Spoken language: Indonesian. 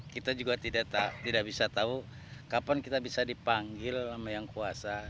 kita juga tidak bisa tahu kapan kita bisa dipanggil sama yang kuasa